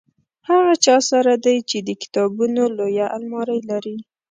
د هغه چا سره دی چې د کتابونو لویه المارۍ لري.